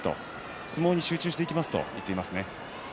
相撲に集中していきますと話していました。